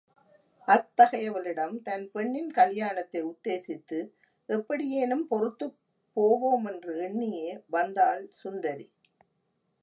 அத்தகையவளிடம், தன் பெண்ணின் கல்யாணத்தை உத்தேசித்து எப்படியேனும் பொறுத்துப் போவோமென்று எண்ணியே வந்தாள் சுந்தரி.